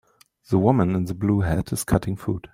The woman in the blue hat is cutting food